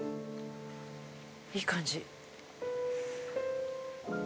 いい感じ。